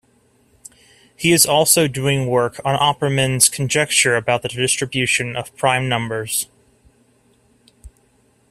He is also doing work on Oppermann's conjecture about the distribution of prime numbers.